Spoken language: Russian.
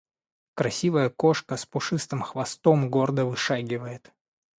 Красивая кошка с пушистым хвостом гордо вышагивает.